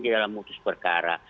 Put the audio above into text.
di dalam mutus perkara